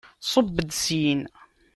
Ṣubb-d syin!